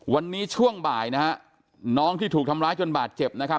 วันนี้ช่วงบ่ายนะฮะน้องที่ถูกทำร้ายจนบาดเจ็บนะครับ